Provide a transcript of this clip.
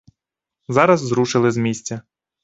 Зараз зрушили з місця.